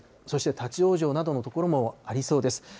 そして立往生などの所もありそうです。